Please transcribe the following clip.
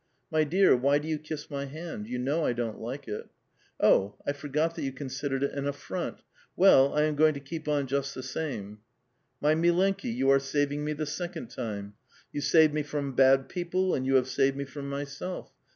" Mv dear, why do you kiss mv hand? You know I don't like it." " Oh ! I forgot that you considered it an affront ; well, [nw] I am ^oing to keep on just the same." " M}' milenki^ you are saving me the second time ; you saved me from bad people, and you have saved me from myself.